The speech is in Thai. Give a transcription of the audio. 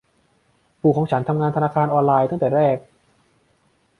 ปู่ของฉันทำงานธนาคารออนไลน์ตั้งแต่แรก